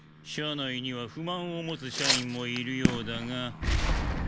社内には不満を持つ社員もいるようだが。